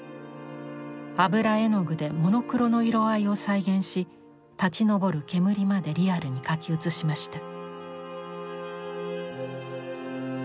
油絵の具でモノクロの色合いを再現し立ちのぼる煙までリアルに描き写しました。